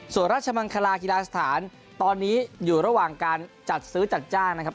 ส่วนราชมังคลากีฬาสถานตอนนี้อยู่ระหว่างการจัดซื้อจัดจ้างนะครับ